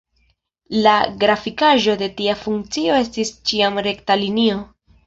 La grafikaĵo de tia funkcio estas ĉiam rekta linio.